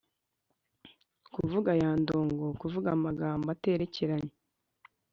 kuvuga aya ndongo: kuvuga amgambo aterekeranye